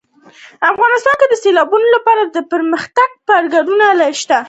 افغانستان کې د سیلابونو لپاره دپرمختیا پروګرامونه شته دي.